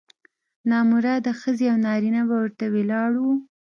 نامراده ښځې او نارینه به ورته ولاړ وو.